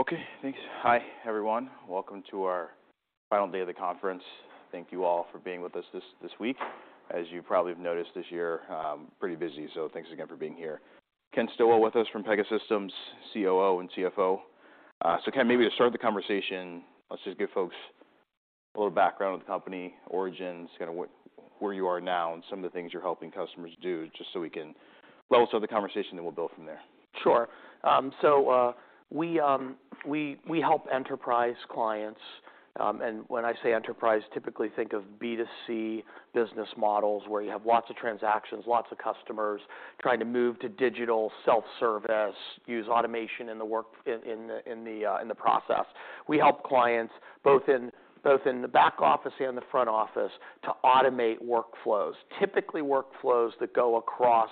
Okay, thanks. Hi, everyone. Welcome to our final day of the conference. Thank you all for being with us this week. As you probably have noticed this year, pretty busy, thanks again for being here. Ken Stillwell with us from Pegasystems, COO and CFO. Ken, maybe to start the conversation, let's just give folks a little background of the company, origins, kinda what... where you are now, and some of the things you're helping customers do, just so we can level-set the conversation, we'll build from there. Sure. We help enterprise clients, and when I say enterprise, typically think of B2C business models where you have lots of transactions, lots of customers, trying to move to digital self-service, use automation in the process. We help clients both in the back office and the front office to automate workflowsTypically, workflows that go across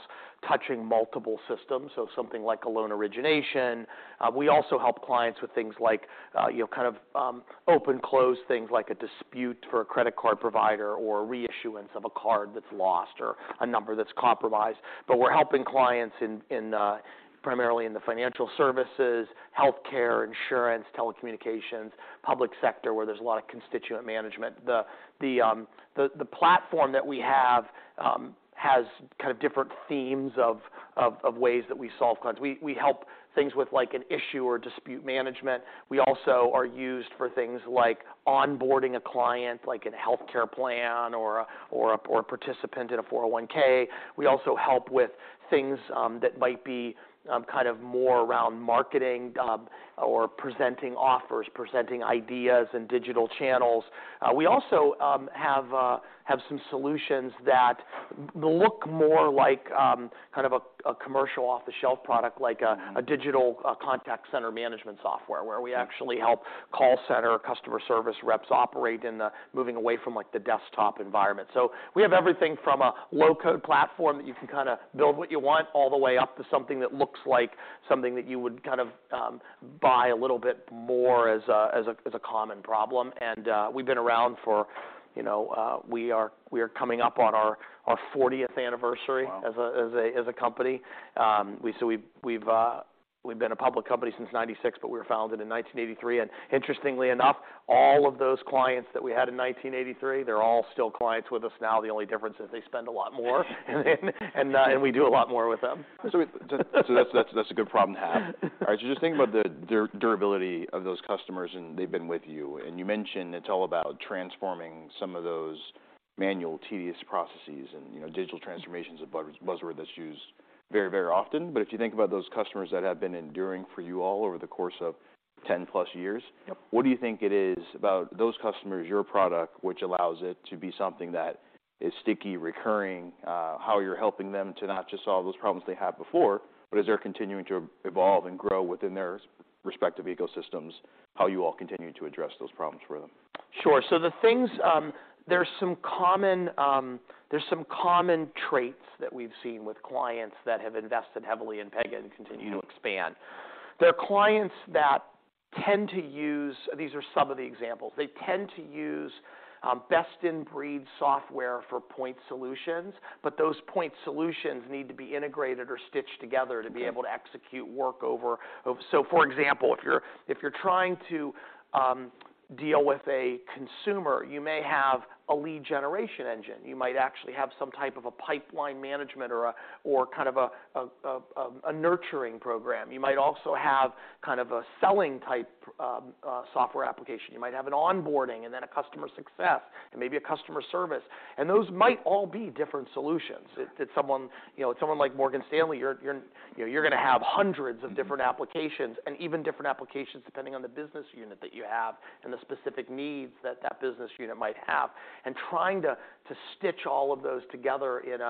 touching multiple systems, so something like a loan origination. We also help clients with things like, you know, kind of, open/close things like a dispute for a credit card provider or a reissuance of a card that's lost or a number that's compromised. We're helping clients in primarily in the financial services, healthcare, insurance, telecommunications, public sector, where there's a lot of constituent management. The platform that we have has kind of different themes of ways that we solve. We help things with, like, an issue or dispute management. We also are used for things like onboarding a client, like in a healthcare plan or a participant in a 401(k). We also help with things that might be kind of more around marketing or presenting offers, presenting ideas and digital channels. We also have some solutions that look more like kind of a commercial off-the-shelf product. Mm-hmm a digital, a contact center management software, where we actually help call center customer service reps operate moving away from, like, the desktop environment. So we have everything from a low-code platform that you can kinda build what you want, all the way up to something that looks like something that you would kind of, buy a little bit more as a, as a, as a common problem. We've been around for, you know, we are coming up on our 40th anniversary. Wow... as a company. We've been a public company since 1996, but we were founded in 1983, and interestingly enough, all of those clients that we had in 1983, they're all still clients with us now. The only difference is they spend a lot more. We do a lot more with them. That's a good problem to have. All right, just thinking about the durability of those customers, and they've been with you, and you mentioned it's all about transforming some of those manual, tedious processes and, you know, digital transformation's a buzzword that's used very, very often, but if you think about those customers that have been enduring for you all over the course of 10-plus years. Yep... what do you think it is about those customers, your product, which allows it to be something that is sticky, recurring, how you're helping them to not just solve those problems they had before, but as they're continuing to evolve and grow within their respective ecosystems, how you all continue to address those problems for them? Sure. The things, there's some common traits that we've seen with clients that have invested heavily in Pega and continue to expand. They're clients that tend to use. These are some of the examples. They tend to use best-in-breed software for point solutions. Those point solutions need to be integrated or stitched together to be able to execute work over. For example, if you're trying to deal with a consumer, you may have a lead generation engine. You might actually have some type of a pipeline management or kind of a nurturing program. You might also have kind of a selling-type software application. You might have an onboarding, then a customer success, maybe a customer service. Those might all be different solutions. If it's someone, you know, it's someone like Morgan Stanley, you're, you know, you're gonna have hundreds of different applications, and even different applications depending on the business unit that you have, and the specific needs that that business unit might have. And trying to stitch all of those together in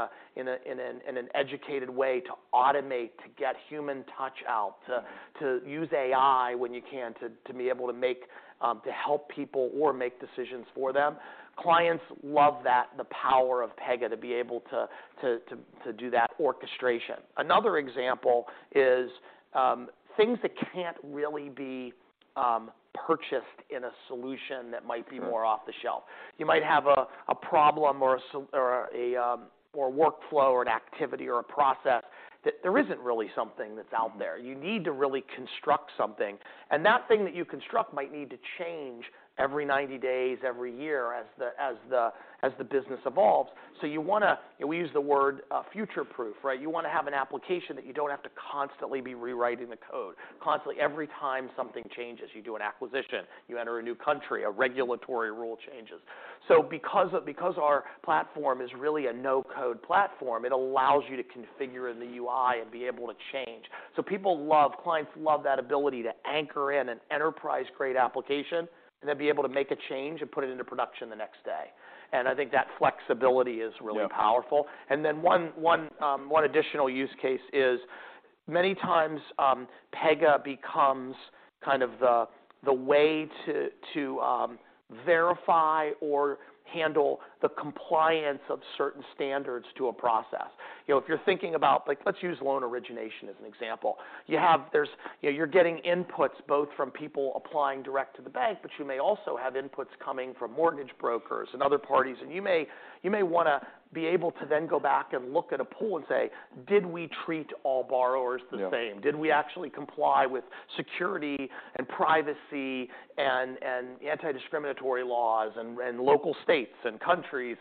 an educated way to automate, to get human touch out. Mm... to use AI when you can to be able to make, to help people or make decisions for them, clients love that, the power of Pega to be able to do that orchestration. Another example is, things that can't really be purchased in a solution. Sure... more off the shelf. You might have a problem or a workflow or an activity or a process that there isn't really something that's out there. You need to really construct something, and that thing that you construct might need to change every 90 days, every year as the business evolves. We use the word future-proof, right? You wanna have an application that you don't have to constantly be rewriting the code. Constantly, every time something changes, you do an acquisition, you enter a new country, a regulatory rule changes. Because our platform is really a no-code platform, it allows you to configure in the UI and be able to change. People love, clients love that ability to anchor in an enterprise-grade application, and then be able to make a change and put it into production the next day, and I think that flexibility is really powerful. Yeah. Then one additional use case is many times, Pega becomes kind of the way to verify or handle the compliance of certain standards to a process. You know, if you're thinking about, like, let's use loan origination as an example. You know, you're getting inputs both from people applying direct to the bank, but you may also have inputs coming from mortgage brokers and other parties, and you may wanna be able to then go back and look at a pool and say, "Did we treat all borrowers the same? Yeah. Did we actually comply with security and privacy and anti-discriminatory laws in local states and countries?"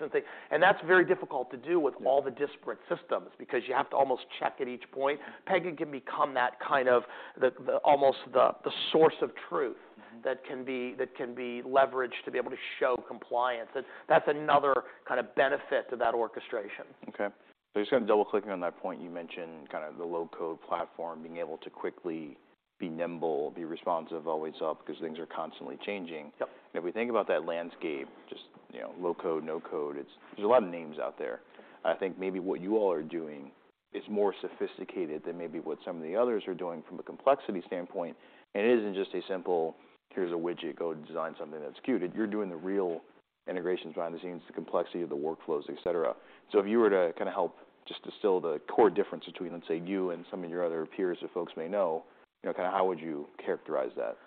That's very difficult to do with. Yeah all the disparate systems, because you have to almost check at each point. Pega can become that kind of the... almost the source of truth- Mm-hmm... that can be leveraged to be able to show compliance. That's another kind of benefit to that orchestration. Okay. Just kind of double-clicking on that point you mentioned, kind of the low-code platform, being able to quickly be nimble, be responsive, always up, because things are constantly changing. Yep. If we think about that landscape, just, you know, low-code, no-code, it's... there's a lot of names out there. I think maybe what you all are doing is more sophisticated than maybe what some of the others are doing from a complexity standpoint, and it isn't just a simple, "Here's a widget. Go design something that's cute." You're doing the real integrations behind the scenes, the complexity of the workflows, et cetera. If you were to kind of help just distill the core difference between, let's say, you and some of your other peers that folks may know, you know, kind of how would you characterize that?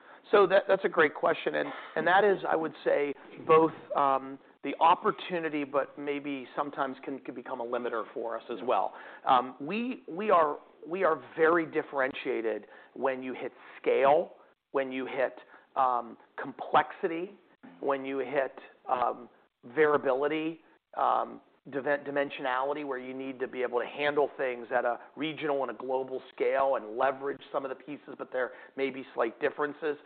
That's a great question, and that is, I would say, both, the opportunity, but maybe sometimes can become a limiter for us as well. Yeah. We are very differentiated when you hit scale, when you hit complexity. Mm-hmm... when you hit, variability, dimensionality, where you need to be able to handle things at a regional and a global scale and leverage some of the pieces, but there may be slight differences.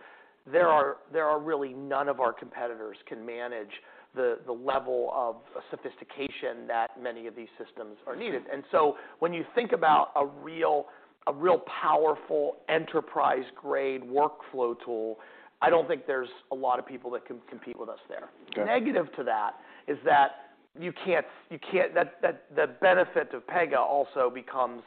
Yeah. There are really none of our competitors can manage the level of sophistication that many of these systems are needed. Mm-hmm. When you think about a real powerful enterprise-grade workflow tool. Yeah... I don't think there's a lot of people that can compete with us there. Okay. Negative to that is that you can't. That the benefit of Pega also becomes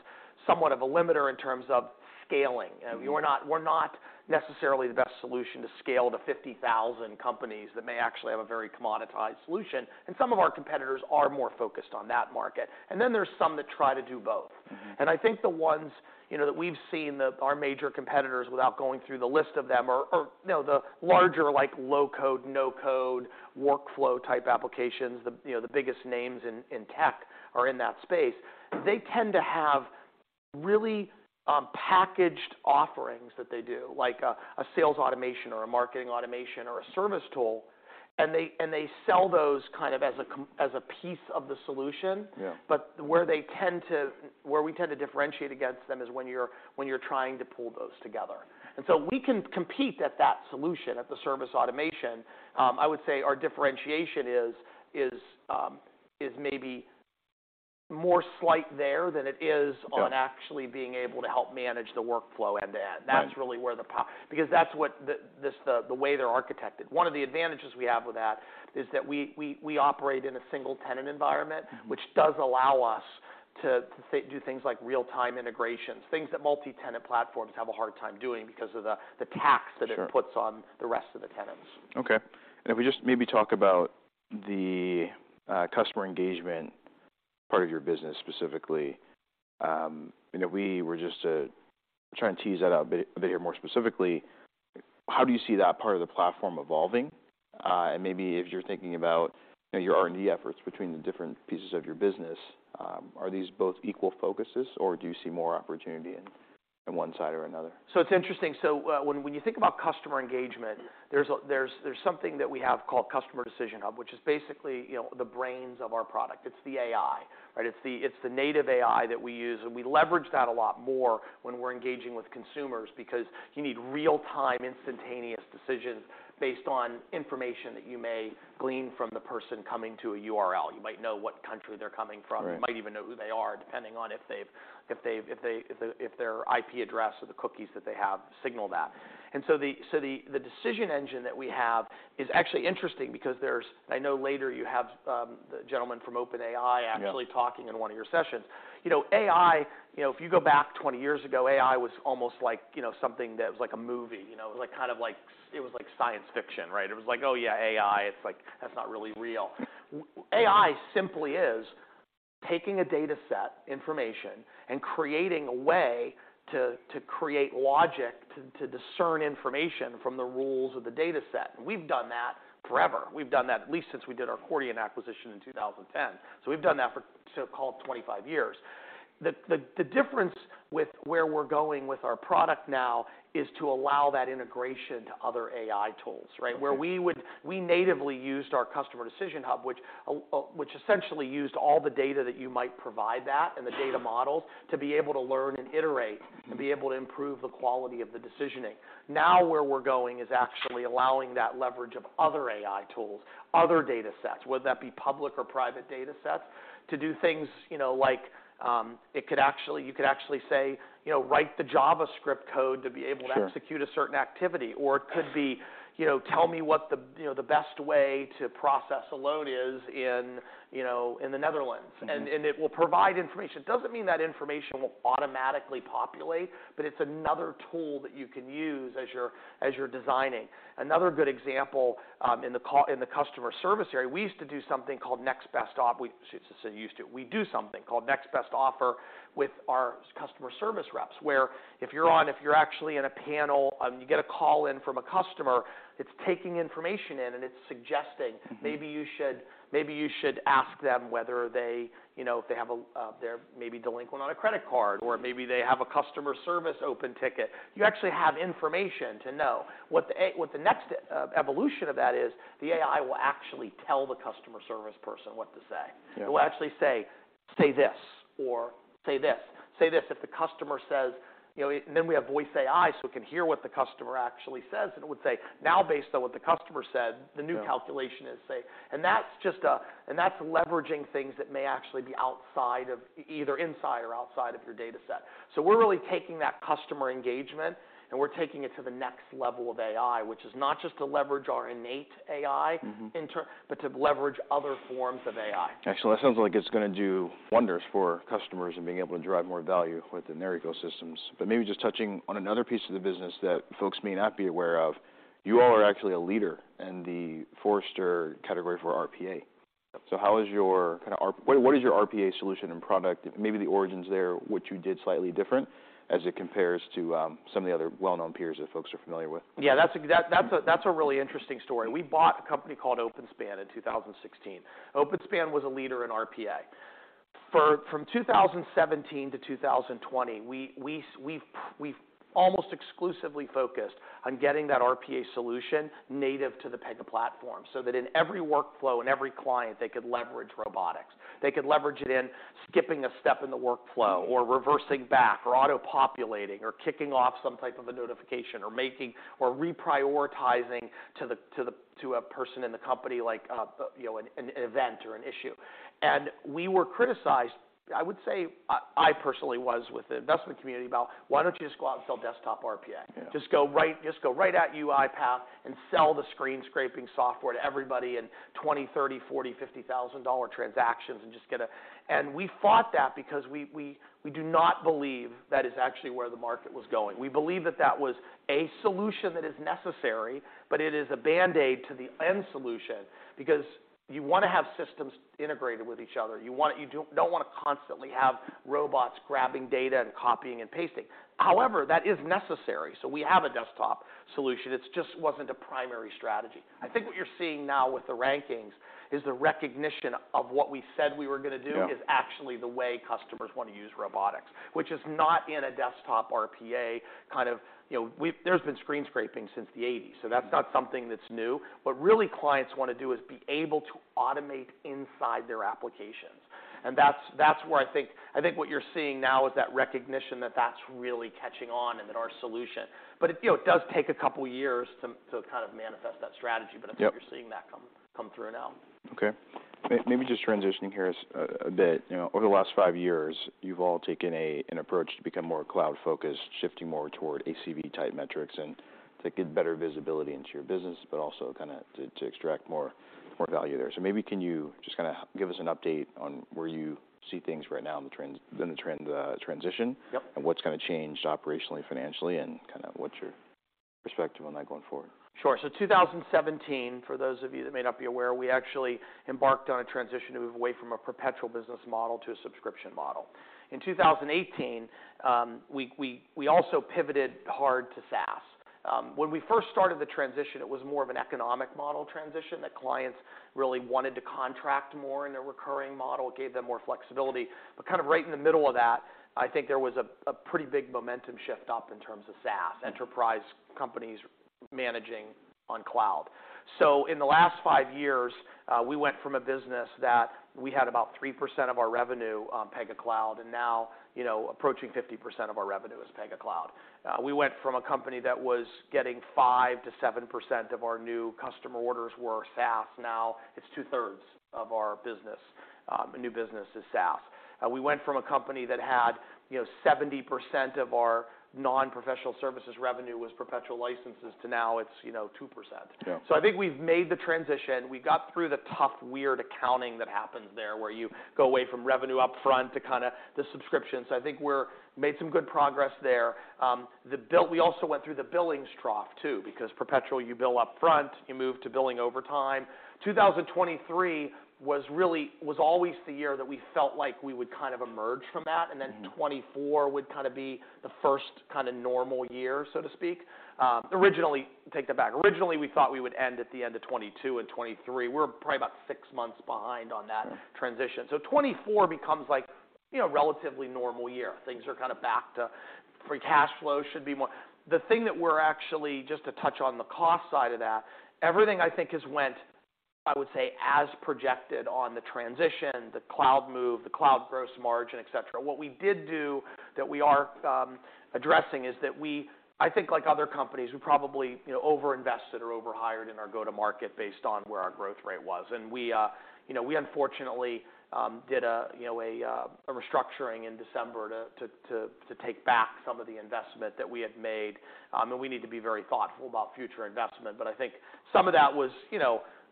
somewhat of a limiter in terms of scaling. Mm-hmm. You know, we're not necessarily the best solution to scale to 50,000 companies that may actually have a very commoditized solution, and some of our competitors are more focused on that market. There's some that try to do both. Mm-hmm. I think the ones, you know, that we've seen our major competitors, without going through the list of them, are, you know, the larger like low-code, no-code workflow type applications. The, you know, the biggest names in tech are in that space. They tend to have really packaged offerings that they do, like a sales automation or a marketing automation or a service tool, and they sell those kind of as a piece of the solution. Yeah. Where we tend to differentiate against them is when you're trying to pull those together. We can compete at that solution, at the service automation. I would say our differentiation is maybe more slight there than it is. Sure... on actually being able to help manage the workflow end to end. Right. Because that's what the way they're architected. One of the advantages we have with that is that we operate in a single-tenant environment. Mm-hmm... which does allow us to do things like real-time integrations, things that multi-tenant platforms have a hard time doing because of the tax that. Sure... puts on the rest of the tenants. Okay. If we just maybe talk about the customer engagement part of your business specifically, you know, we were just trying to tease that out a bit here more specifically. How do you see that part of the platform evolving? Maybe if you're thinking about, you know, your R&D efforts between the different pieces of your business, are these both equal focuses, or do you see more opportunity in one side or another? It's interesting. When you think about customer engagement, there's something that we have called Customer Decision Hub, which is basically, you know, the brains of our product. It's the AI, right? It's the native AI that we use, and we leverage that a lot more when we're engaging with consumers because you need real-time, instantaneous decisions based on information that you may glean from the person coming to a URL. You might know what country they're coming from. Right. You might even know who they are, depending on if their IP address or the cookies that they have signal that. The decision engine that we have is actually interesting because there's... I know later you have the gentleman from OpenAI. Yeah... talking in one of your sessions. You know, AI, you know, if you go back 20 years ago, AI was almost like, you know, something that was like a movie, you know? It was like, kind of like it was like science fiction, right? It was like, "Oh yeah, AI." It's like, "That's not really real." AI simply is taking a data set, information, and creating a way to create logic to discern information from the rules of the data set, and we've done that forever. We've done that at least since we did our Chordiant acquisition in 2010. We've done that for call it 25 years. The difference with where we're going with our product now is to allow that integration to other AI tools, right? Okay. We natively used our Customer Decision Hub, which a which essentially used all the data that you might provide that and the data models to be able to learn and iterate and be able to improve the quality of the decisioning. Where we're going is actually allowing that leverage of other AI tools, other data sets, whether that be public or private data sets, to do things, you know, like, you could actually say, you know, write the JavaScript code to be able to. Sure... execute a certain activity. It could be, you know, tell me what the, you know, the best way to process a loan is in, you know, in the Netherlands. Mm-hmm. It will provide information. Doesn't mean that information will automatically populate, but it's another tool that you can use as you're designing. Another good example, in the customer service area, we used to do something called Next Best Offer. Shoot, I said "used to." We do something called Next Best Offer with our customer service reps, where if you're on- Yeah if you're actually in a panel and you get a call in from a customer, it's taking information in and it's suggesting-. Mm-hmm... maybe you should ask them whether they, you know, if they have a, they're maybe delinquent on a credit card or maybe they have a customer service open ticket. You actually have information to know. What the next evolution of that is the AI will actually tell the customer service person what to say. Yeah. It will actually say this or say this. Say this if the customer says, you know... We have Voice AI, so it can hear what the customer actually says, and it would say, "Now based on what the customer said, the new calculation is," say. That's just, and that's leveraging things that may actually be outside of, either inside or outside of your data set. We're really taking that customer engagement, and we're taking it to the next level of AI, which is not just to leverage our innate AI- Mm-hmm in turn, but to leverage other forms of AI. Actually, that sounds like it's gonna do wonders for customers in being able to drive more value within their ecosystems. Maybe just touching on another piece of the business that folks may not be aware of, you all are actually a leader in the Forrester category for RPA. How is your kind of what is your RPA solution and product, maybe the origins there, what you did slightly different as it compares to some of the other well-known peers that folks are familiar with? Yeah, that's a really interesting story. We bought a company called OpenSpan in 2016. OpenSpan was a leader in RPA. From 2017 to 2020, we've almost exclusively focused on getting that RPA solution native to the Pega platform, so that in every workflow and every client, they could leverage robotics. They could leverage it in skipping a step in the workflow or reversing back or auto-populating or kicking off some type of a notification or making or reprioritizing to a person in the company like, you know, an event or an issue. We were criticized, I personally was with the investment community about why don't you just go out and sell desktop RPA? Yeah. Just go right, just go right at UiPath and sell the screen scraping software to everybody in $20,000, $30,000, $40,000, $50,000 transactions. We fought that because we do not believe that is actually where the market was going. We believe that that was a solution that is necessary, but it is a band-aid to the end solution because you wanna have systems integrated with each other. You don't wanna constantly have robots grabbing data and copying and pasting. However, that is necessary, so we have a desktop solution. It's just wasn't a primary strategy. I think what you're seeing now with the rankings is the recognition of what we said we were gonna do. Yeah... is actually the way customers wanna use robotics, which is not in a desktop RPA kind of. You know, there's been screen scraping since the eighties, so that's not something that's new. What really clients wanna do is be able to automate inside their applications, and that's where I think. I think what you're seeing now is that recognition that that's really catching on and that our solution. It, you know, it does take a couple years to kind of manifest that strategy. Yep... but I think you're seeing that come through now. Okay. Maybe just transitioning here a bit. You know, over the last five years, you've all taken a, an approach to become more cloud focused, shifting more toward ACV type metrics and to get better visibility into your business, but also kind of to extract more, more value there. Maybe can you just kind of give us an update on where you see things right now in the trends, in the trend transition- Yep... and what's kind of changed operationally, financially, and kind of what's your perspective on that going forward? Sure. 2017, for those of you that may not be aware, we actually embarked on a transition to move away from a perpetual business model to a subscription model. In 2018, we also pivoted hard to SaaS. When we first started the transition, it was more of an economic model transition that clients really wanted to contract more in a recurring model. It gave them more flexibility. Kind of right in the middle of that, I think there was a pretty big momentum shift up in terms of SaaS. Mm-hmm. Enterprise companies managing on cloud. In the last 5 years, we went from a business that we had about 3% of our revenue on Pega Cloud, and now, you know, approaching 50% of our revenue is Pega Cloud. We went from a company that was getting 5%-7% of our new customer orders were SaaS. Now it's 2/3 of our business, new business is SaaS. We went from a company that had, you know, 70% of our non-professional services revenue was perpetual licenses to now it's, you know, 2%. Yeah. I think we've made the transition. We got through the tough, weird accounting that happens there, where you go away from revenue up front to kind of the subscriptions. I think we're made some good progress there. We also went through the billings trough too, because perpetual, you bill up front, you move to billing over time. 2023 was always the year that we felt like we would kind of emerge from that. Mm-hmm. 2024 would kind of be the first kind of normal year, so to speak. Originally, take that back. Originally, we thought we would end at the end of 2022 and 2023. We're probably about 6 months behind on that transition. 2024 becomes like, you know, relatively normal year. Things are kind of back to. Free cash flow should be more. The thing that we're actually, just to touch on the cost side of that, everything I think has went, I would say, as projected on the transition, the cloud move, the cloud gross margin, et cetera. What we did do that we are addressing is that we, I think like other companies, we probably, you know, overinvested or overhired in our go-to-market based on where our growth rate was. We, you know, we unfortunately, did a, you know, a restructuring in December to take back some of the investment that we had made, and we need to be very thoughtful about future investment. I think some of that was, you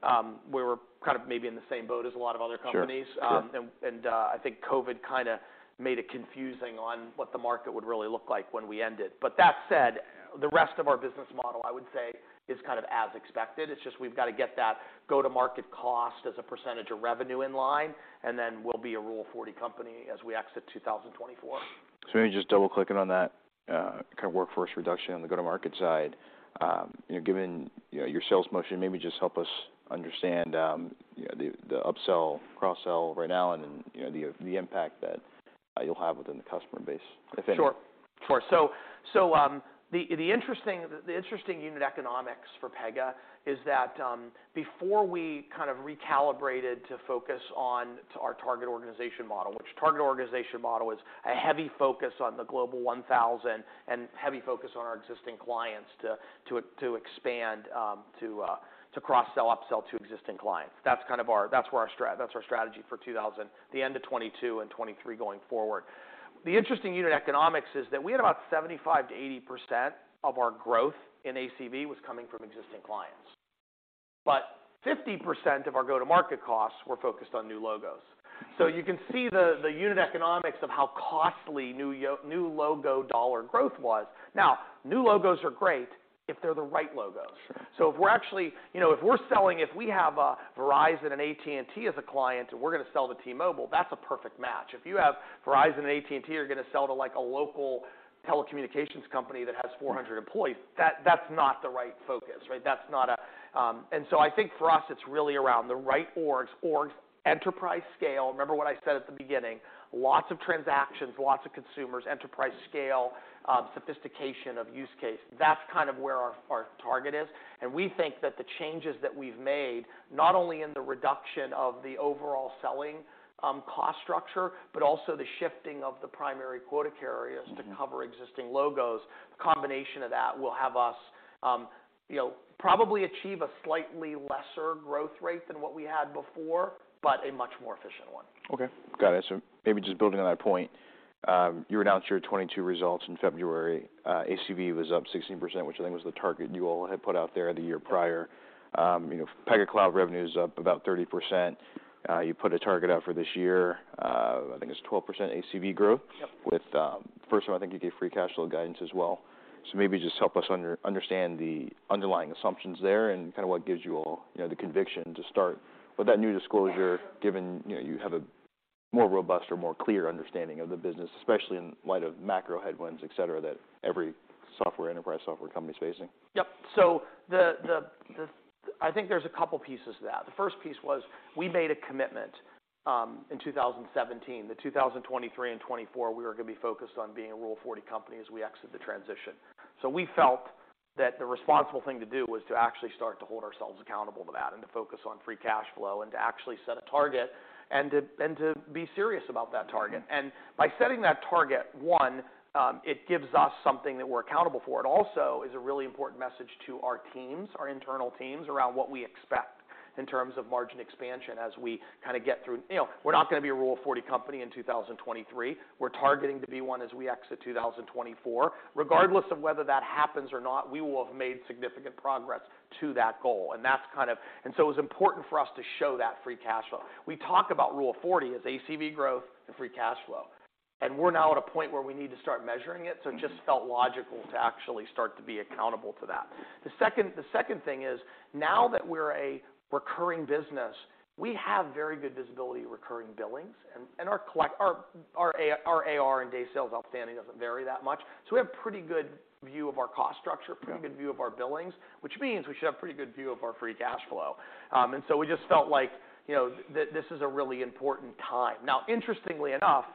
know, we were kind of maybe in the same boat as a lot of other companies. Sure, sure. I think COVID kind of made it confusing on what the market would really look like when we ended. That said, the rest of our business model, I would say, is kind of as expected. It's just we've got to get that go-to-market cost as a percentage of revenue in line, and then we'll be a Rule 40 company as we exit 2024. Maybe just double-clicking on that, kind of workforce reduction on the go-to-market side. You know, given, you know, your sales motion, maybe just help us understand, you know, the upsell, cross-sell right now and then, you know, the impact that you'll have within the customer base, if any. Sure. So, the interesting unit economics for Pega is that, before we kind of recalibrated to focus on our target organization model, which target organization model is a heavy focus on the Global 1000 and heavy focus on our existing clients to expand, to cross-sell, upsell to existing clients. That's our strategy for the end of 2022 and 2023 going forward. The interesting unit economics is that we had about 75% to 80% of our growth in ACV was coming from existing clients. 50% of our go-to-market costs were focused on new logos. You can see the unit economics of how costly new logo dollar growth was. New logos are great if they're the right logos. If we're actually, you know, if we're selling, if we have a Verizon and AT&T as a client, and we're going to sell to T-Mobile, that's a perfect match. If you have Verizon and AT&T are going to sell to, like, a local telecommunications company that has 400 employees, that's not the right focus, right? That's not a. I think for us, it's really around the right orgs. Orgs, enterprise scale. Remember what I said at the beginning, lots of transactions, lots of consumers, enterprise scale, sophistication of use case. That's kind of where our target is. We think that the changes that we've made, not only in the reduction of the overall selling cost structure, but also the shifting of the primary quota carriers. Mm-hmm... to cover existing logos, the combination of that will have us, you know, probably achieve a slightly lesser growth rate than what we had before, but a much more efficient one. Okay. Got it. Maybe just building on that point, you announced your 2022 results in February. ACV was up 16%, which I think was the target you all had put out there the year prior. You know, Pega Cloud revenue is up about 30%. You put a target out for this year. I think it's 12% ACV growth. Yep. First of all, I think you gave free cash flow guidance as well. Maybe just help us understand the underlying assumptions there and kinda what gives you all, you know, the conviction to start with that new disclosure, given, you know, you have a more robust or more clear understanding of the business, especially in light of macro headwinds, et cetera, that every software, enterprise software company is facing. Yep. I think there's a couple pieces to that. The first piece was we made a commitment, in 2017, that 2023 and 2024, we were gonna be focused on being a Rule Forty company as we exit the transition. We felt that the responsible thing to do was to actually start to hold ourselves accountable to that and to focus on free cash flow and to actually set a target and to be serious about that target. By setting that target, 1, it gives us something that we're accountable for. It also is a really important message to our teams, our internal teams, around what we expect in terms of margin expansion as we kinda get through. You know, we're not gonna be a Rule Forty company in 2023. We're targeting to be one as we exit 2024. Regardless of whether that happens or not, we will have made significant progress to that goal. That's kind of... It was important for us to show that free cash flow. We talk about Rule of 40 as ACV growth and free cash flow. We're now at a point where we need to start measuring it, so it just felt logical to actually start to be accountable to that. The second thing is, now that we're a recurring business, we have very good visibility recurring billings, and our AR and days sales outstanding doesn't vary that much. We have pretty good view of our cost structure. Yeah... pretty good view of our billings, which means we should have pretty good view of our free cash flow. We just felt like, you know, that this is a really important time. Now, interestingly enough,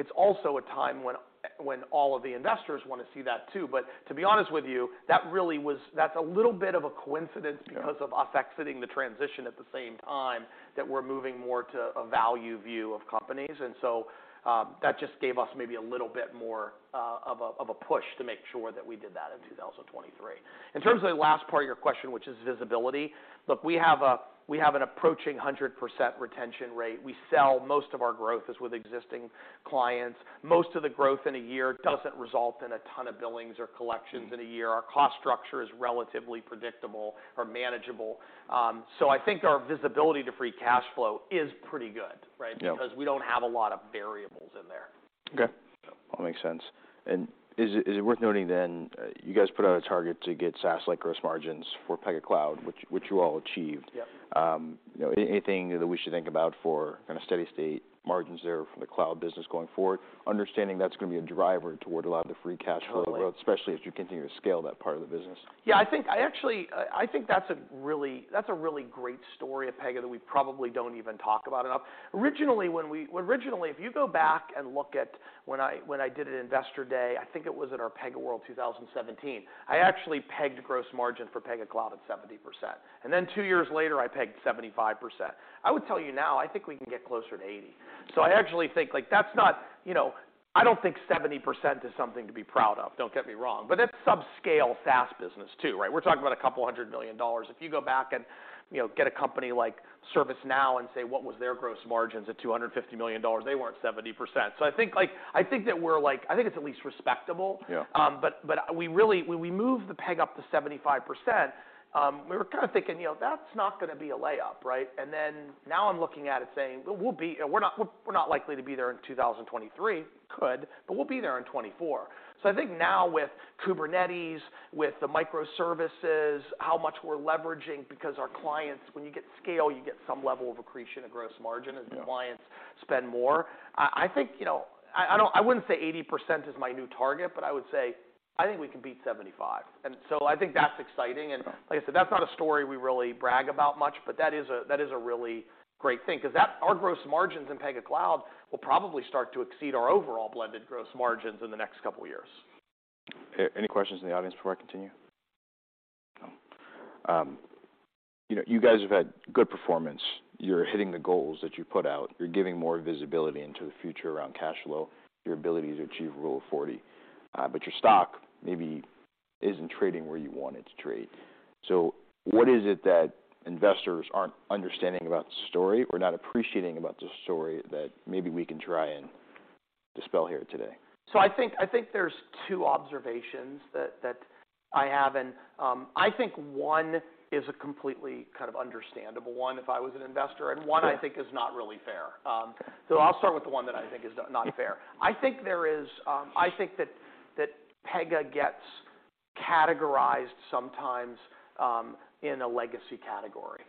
it's also a time when all of the investors wanna see that too. To be honest with you, that's a little bit of a coincidence because of us exiting the transition at the same time that we're moving more to a value view of companies. That just gave us maybe a little bit more of a push to make sure that we did that in 2023. In terms of the last part of your question, which is visibility, look, we have an approaching 100% retention rate. We sell most of our growth is with existing clients. Most of the growth in a year doesn't result in a ton of billings or collections in a year. Our cost structure is relatively predictable or manageable. I think our visibility to free cash flow is pretty good, right? Yeah. We don't have a lot of variables in there. Okay. That makes sense. Is it worth noting then, you guys put out a target to get SaaS-like gross margins for Pega Cloud, which you all achieved? Yep. You know, anything that we should think about for kinda steady-state margins there for the cloud business going forward? Understanding that's gonna be a driver toward a lot of the free cash flow... Totally... growth, especially as you continue to scale that part of the business. Yeah, I think I actually, I think that's a really great story at Pega that we probably don't even talk about enough. Originally, if you go back and look at when I, when I did an investor day, I think it was at our PegaWorld 2017, I actually pegged gross margin for Pega Cloud at 70%. Then 2 years later, I pegged 75%. I would tell you now, I think we can get closer to 80%. I actually think, like, that's not, you know... I don't think 70% is something to be proud of, don't get me wrong. But that's sub-scale SaaS business, too, right? We're talking about $200 million. If you go back and, you know, get a company like ServiceNow and say, what was their gross margins at $250 million, they weren't 70%. I think, like, I think that we're, like, I think it's at least respectable. Yeah. We really, when we moved the Pega up to 75%, we were kinda thinking, you know, that's not gonna be a layup, right? Now I'm looking at it saying, "Well, you know, we're not likely to be there in 2023. Could, but we'll be there in 2024." I think now with Kubernetes, with the microservices, how much we're leveraging because our clients, when you get scale, you get some level of accretion of gross margin-. Yeah as the clients spend more. I think, you know, I wouldn't say 80% is my new target, but I would say I think we can beat 75%. I think that's exciting. Like I said, that's not a story we really brag about much, but that is a really great thing, 'cause our gross margins in Pega Cloud will probably start to exceed our overall blended gross margins in the next couple years. Any questions in the audience before I continue? No. you know, you guys have had good performance. You're hitting the goals that you put out. You're giving more visibility into the future around cash flow, your ability to achieve Rule of 40. Your stock maybe isn't trading where you want it to trade. What is it that investors aren't understanding about the story, or not appreciating about the story that maybe we can try and dispel here today? I think there's two observations that I have and, I think one is a completely kind of understandable one if I was an investor. Yeah One I think is not really fair. I'll start with the one that I think is not fair. I think that Pega gets categorized sometimes in a legacy category,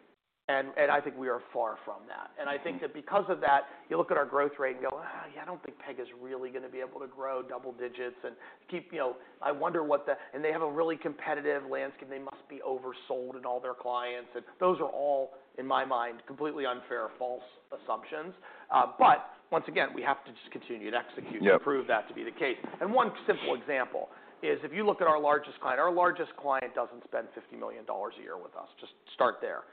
and I think we are far from that. Mm-hmm. I think that because of that, you look at our growth rate and go, "Yeah, I don't think Pega's really gonna be able to grow double digits and keep, you know... I wonder what the... They have a really competitive landscape, they must be oversold in all their clients." Those are all, in my mind, completely unfair, false assumptions. Once again, we have to just continue to execute- Yeah... to prove that to be the case. One simple example is if you look at our largest client, our largest client doesn't spend $50 million a year with us. Just start there,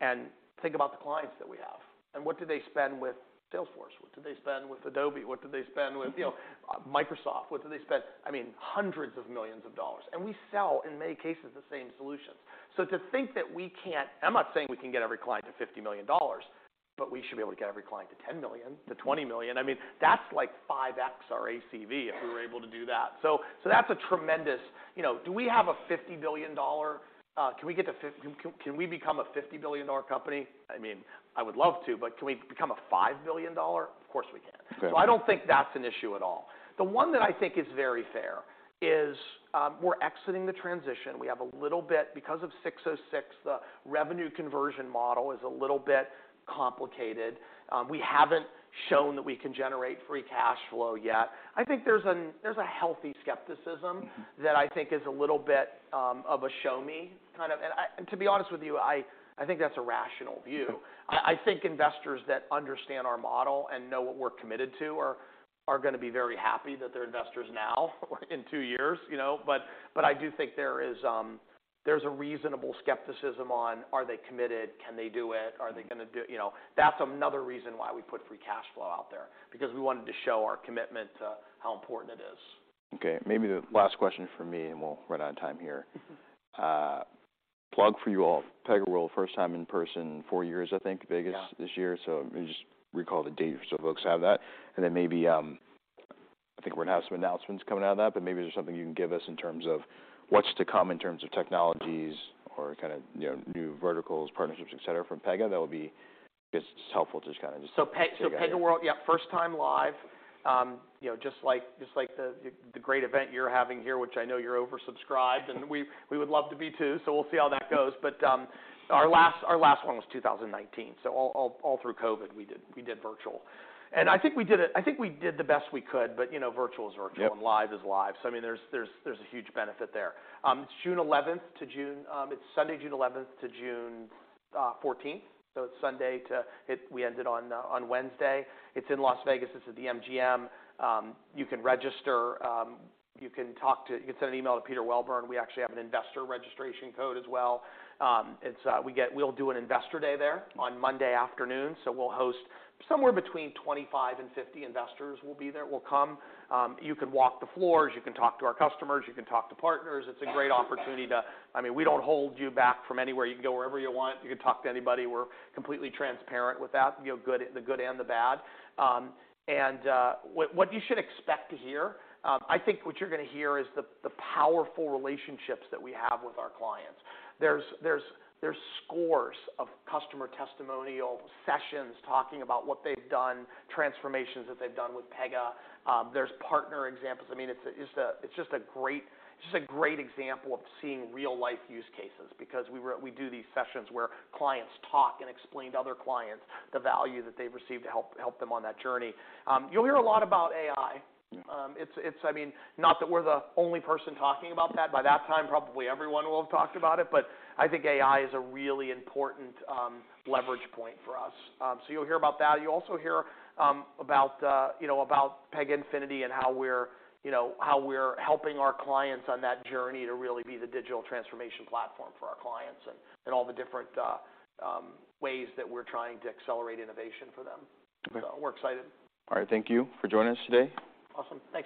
and think about the clients that we have, and what do they spend with Salesforce? What do they spend with Adobe? What do they spend with you know Microsoft? What do they spend? I mean, hundreds of millions of dollars, and we sell, in many cases, the same solutions. To think that we can't... I'm not saying we can get every client to $50 million, but we should be able to get every client to $10 million, to $20 million. I mean, that's like 5x our ACV- Yeah... if we were able to do that. That's a tremendous... You know, do we have a $50 billion... Can we become a $50 billion company? I mean, I would love to, but can we become a $5 billion? Of course we can. Right. I don't think that's an issue at all. The one that I think is very fair is, we're exiting the transition. We have a little bit, because of ASC 606, the revenue conversion model is a little bit complicated. We haven't shown that we can generate free cash flow yet. I think there's a healthy skepticism. Mm-hmm... that I think is a little bit, of a show me kind of... I, to be honest with you, I think that's a rational view. Yeah. I think investors that understand our model and know what we're committed to are gonna be very happy that they're investors now or in two years, you know? I do think there's a reasonable skepticism on are they committed, can they do it... Mm-hmm... are they gonna do. You know? That's another reason why we put free cash flow out there, because we wanted to show our commitment to how important it is. Okay. Maybe the last question from me, and we'll run out of time here. Plug for you all, PegaWorld, first time in person in four years, I think. Vegas this year. Yeah. Let me just recall the date so folks have that, and then maybe, I think we're gonna have some announcements coming out of that, but maybe there's something you can give us in terms of what's to come in terms of technologies or kind of, you know, new verticals, partnerships, et cetera, from Pega that would be. It's just helpful to just kind of. So Pe- Yeah PegaWorld, yeah, first time live. You know, just like the great event you're having here, which I know you're oversubscribed and we would love to be too. We'll see how that goes. Our last one was 2019, all through COVID we did virtual. I think we did the best we could, but, you know, virtual is virtual- Yeah... and live is live. I mean, there's, there's a huge benefit there. It's June 11th to June. It's Sunday, June 11th to June 14th. It's Sunday to we end it on Wednesday. It's in Las Vegas, it's at the MGM. You can register, you can talk to. You can send an email to Peter Welburn. We actually have an investor registration code as well. We'll do an investor day there on Monday afternoon, we'll host somewhere between 25 and 50 investors will be there, will come. You can walk the floors, you can talk to our customers, you can talk to partners. It's a great opportunity to. I mean, we don't hold you back from anywhere. You can go wherever you want. You can talk to anybody. We're completely transparent with that, you know, good, the good and the bad. What you should expect to hear, I think what you're gonna hear is the powerful relationships that we have with our clients. There's scores of customer testimonial sessions talking about what they've done, transformations that they've done with Pega. There's partner examples. I mean, it's just a great example of seeing real-life use cases, because we do these sessions where clients talk and explain to other clients the value that they've received to help them on that journey. You'll hear a lot about AI. Mm-hmm. It's, I mean, not that we're the only person talking about that. By that time, probably everyone will have talked about it, but I think AI is a really important leverage point for us. You'll hear about that. You'll also hear, you know, about Pega Infinity and how we're, you know, how we're helping our clients on that journey to really be the digital transformation platform for our clients and all the different ways that we're trying to accelerate innovation for them. Okay. We're excited. All right. Thank you for joining us today. Awesome. Thank you.